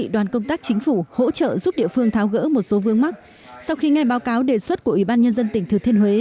đoàn công tác tỉnh thừa thiên huế